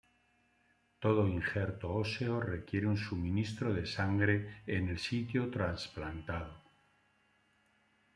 Todo Injerto óseo requiere un suministro de sangre en el sitio trasplantado.